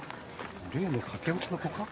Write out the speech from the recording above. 例の駆け落ちの子か？